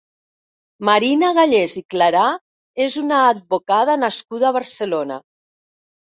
Marina Gallés i Clarà és una advocada nascuda a Barcelona.